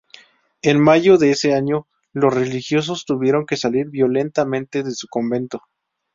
En mayo de ese año los religiosos tuvieron que salir violentamente de su convento.